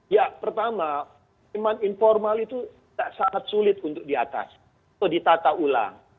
ya pertama memang informal itu sangat sulit untuk diatasi atau ditata ulang